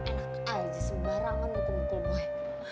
enak aja sembarangan mengumpul umpul gue